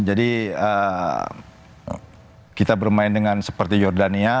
jadi kita bermain dengan seperti jordania